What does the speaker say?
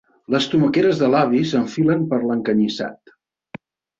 Les tomaqueres de l'avi s'enfilen per l'encanyissat.